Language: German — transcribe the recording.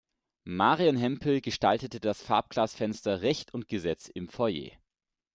Marion Hempel gestaltete das Farbglasfenster „Recht und Gesetz“ im Foyer.